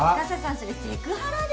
それセクハラですよ！